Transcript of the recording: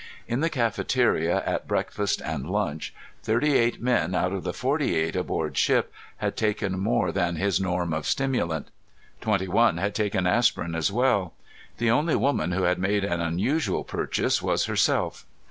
In the cafeteria at breakfast and lunch, thirty eight men out of the forty eight aboard ship had taken more than his norm of stimulant. Twenty one had taken aspirin as well. The only woman who had made an unusual purchase was herself!